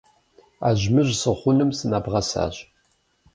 Ажьмыжь сыхъуным сынэбгъэсащ.